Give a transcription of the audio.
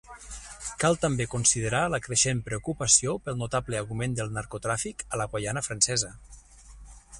Cal també considerar la creixent preocupació pel notable augment del narcotràfic a la Guaiana francesa.